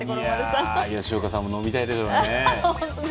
いやあ、吉岡さんも飲みたいでしょうね。